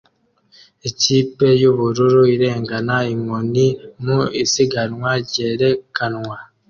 Ikipe yubururu irengana inkoni mu isiganwa ryerekanwa